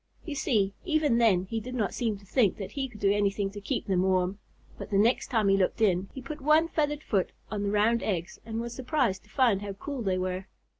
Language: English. You see, even then he did not seem to think that he could do anything to keep them warm. But the next time he looked in, he put one feathered foot on the round eggs and was surprised to find how cool they were.